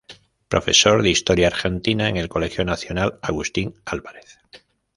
Profesor de Historia Argentina en el Colegio Nacional Agustín Álvarez.